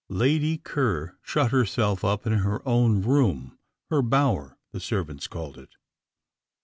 Lady Ker shut herself up in her own room her "bower," the servants called it.